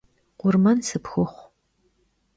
Khurmen sıpxuxhu!